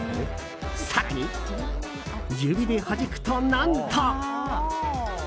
更に指ではじくと、何と。